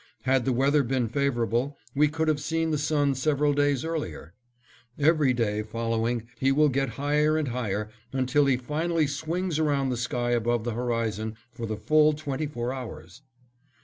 Had the weather been favorable, we could have seen the sun several days earlier. Every day following he will get higher and higher, until he finally swings around the sky above the horizon for the full twenty four hours.